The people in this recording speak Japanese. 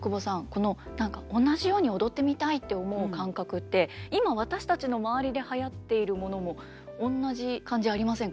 この同じように踊ってみたいって思う感覚って今私たちの周りではやっているものも同じ感じありませんか？